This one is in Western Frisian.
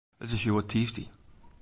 It is hjoed tiisdei.